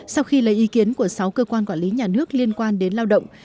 sau khi lấy ý kiến của sáu cơ quan quản lý nhà nước liên quan đến lao động